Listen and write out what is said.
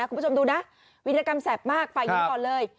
คุณผู้ชมดูนะวิรกรรมแสบมากฝ่ายหญิงก่อนเลย